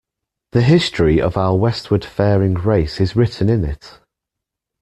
The history of our westward-faring race is written in it.